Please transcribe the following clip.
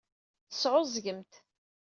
Tesɛuẓẓgemt.